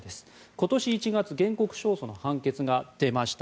今年１月原告勝訴の判決が出ました。